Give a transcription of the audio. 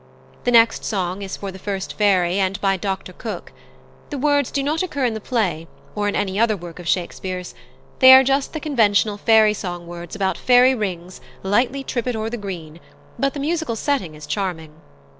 The next song is for the first fairy and by Dr Cooke. The words do not occur in the play or in any other work of Shakespeare's; they are just the conventional fairy song words about fairy rings, lightly trip it o'er the green, but the musical setting is charming.